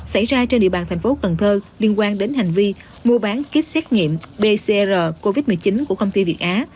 xảy ra trên địa bàn thành phố cần thơ liên quan đến hành vi mua bán kit xét nghiệm pcr covid một mươi chín của công ty việt á